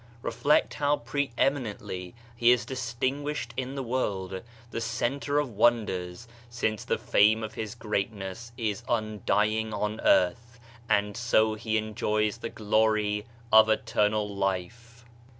Reflect how pre eminently he is distinguished in the world, the center of wonders, since the fame of his greatness is undying on earth and so he enjoys the glory of Eternal Life.